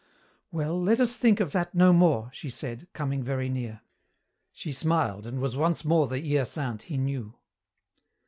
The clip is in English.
"Well, let us think of that no more," she said, coming very near. She smiled, and was once more the Hyacinthe he knew.